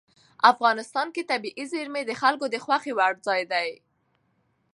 افغانستان کې طبیعي زیرمې د خلکو د خوښې وړ ځای دی.